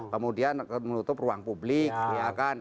kemudian menutup ruang publik ya kan